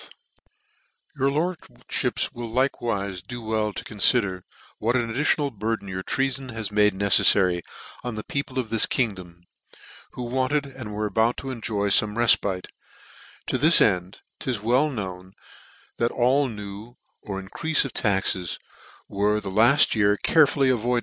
Cf Your lordfhips will likewife do well to con fider what an additional burden your treafon has made ncceffary on the people of this kingdom, who wanted and were about to enjoy fome refpite : to tliis end, 'tis well known, that all new, or in creafc of taxes, were the hit year carefully avoided, VOL.